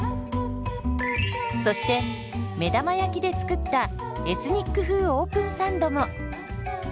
そして目玉焼きで作ったエスニック風オープンサンドも。